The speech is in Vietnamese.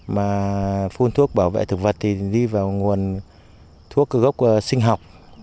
mà phun thuốc bảo vệ thực vật thì đi vào nguồn thuốc gốc sinh học